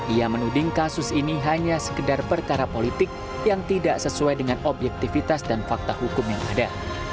ia menuding kasus ini hanya sekedar perkara politik yang tidak sesuai dengan objektivitas dan fakta hukum yang ada